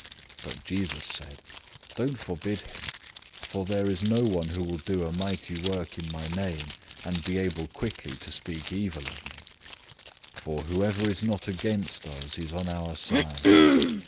009:039 But Jesus said, "Don't forbid him, for there is no one who will do a mighty work in my name, and be able quickly to speak evil of me. 009:040 For whoever is not against us is on our side.